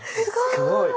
すごい。